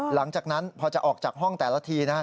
หลังจากนั้นพอจะออกจากห้องแต่ละที